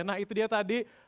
nah itu dia tadi